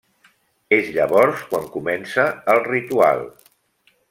És llavors quan comença el ritual.